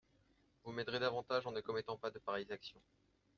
Vous m'aiderez davantage en ne commettant pas de pareilles actions.